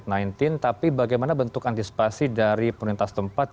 untuk meninggalnya akibat covid sembilan belas tapi bagaimana bentuk antisipasi dari pemerintah setempat